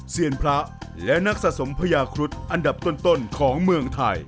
เซียนพระและนักสะสมพญาครุฑอันดับต้นของเมืองไทย